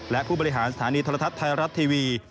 และผู้บริหารสถานีโทรทัศน์ไทยรัฐทีวี